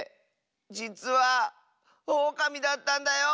じつはオオカミだったんだよ！